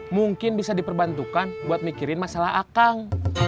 mungkin bisa diperbantukan buat mikirin masalah akang